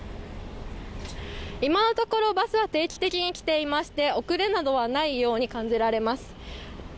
今のところバスは定期的に来ていまして遅れなどはないように感じられます。